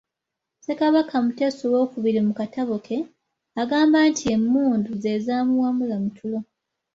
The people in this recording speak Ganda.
Ssekabaka Muteesa owookubiri mu katabo ke, agamba nti emmundu ze zaamuwawamula mu tulo.